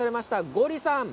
ゴリさん